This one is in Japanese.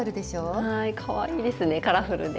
はいかわいいですねカラフルで。